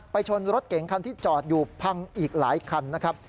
ชนรถเก๋งคันที่จอดอยู่พังอีกหลายคันนะครับ